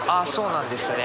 そうなんですね